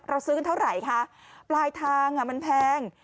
ซื้อเท่าไหร่คะปลายทางมันแพง